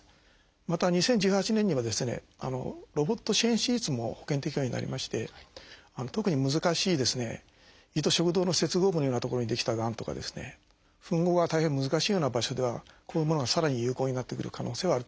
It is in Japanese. また２０１８年にはロボット支援手術も保険適用になりまして特に難しい胃と食道の接合部のような所に出来たがんとか吻合が大変難しいような場所ではこういうものがさらに有効になってくる可能性はあると思います。